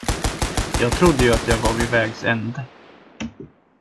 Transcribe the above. Jag trodde ju att jag var vid vägs ände.